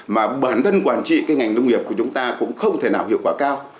mà bản thân quản trị cái ngành nông nghiệp của chúng ta cũng không thể nào hiệu quả cao